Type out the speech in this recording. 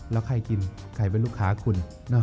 แล้วใครกินใครเป็นลูกค้าคุณ